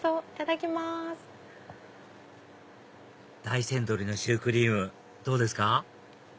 大山鶏のシュークリームどうですか？